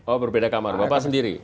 oh berbeda kamar bapak sendiri